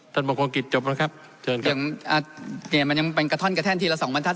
ประคองกิจจบแล้วครับเชิญครับอย่างเนี่ยมันยังเป็นกระท่อนกระแท่นทีละสองบรรทัศ